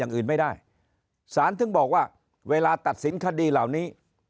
อย่างอื่นไม่ได้สารถึงบอกว่าเวลาตัดสินคดีเหล่านี้